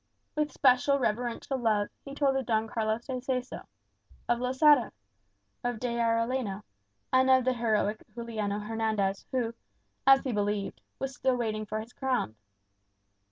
With special reverential love, he told of Don Carlos de Seso, of Losada, of D'Arellano, and of the heroic Juliano Hernandez, who, as he believed, was still waiting for his crown.